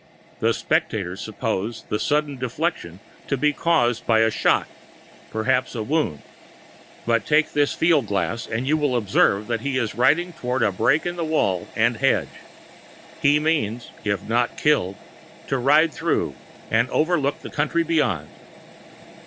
The spectators suppose the sudden deflection to be caused by a shot, perhaps a wound; but take this field glass and you will observe that he is riding toward a break in the wall and hedge. He means, if not killed, to ride through and overlook the country beyond.